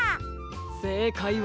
せいかいは。